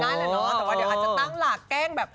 ทำได้แหละแต่อาจจะตั้งหลากแกล้ง